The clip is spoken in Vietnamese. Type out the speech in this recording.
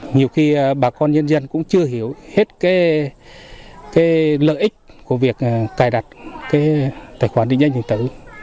nhiều khi bà con dân dân cũng chưa hiểu hết lợi ích của việc cài đặt tài khoản định dân nhân tử